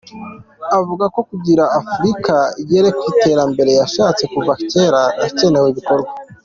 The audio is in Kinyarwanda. Avuga ko kugira ngo Afurika igere ku iterambere yashatse kuva kera hakenewe ibikorwa.